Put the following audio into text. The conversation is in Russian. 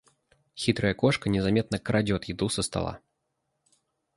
Хитрая кошка незаметно крадет еду со стола.